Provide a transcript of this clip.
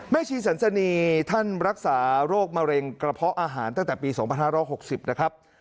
ชีสันสนีท่านรักษาโรคมะเร็งกระเพาะอาหารตั้งแต่ปี๒๕๖๐นะครับ